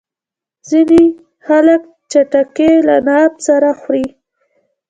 ځینې خلک خټکی له نان سره خوري.